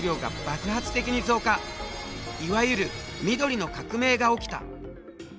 いわゆる「緑の革命」が起きた。